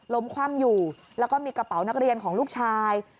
คว่ำอยู่แล้วก็มีกระเป๋านักเรียนของลูกชาย